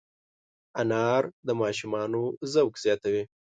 انار د ماشومانو ذوق زیاتوي.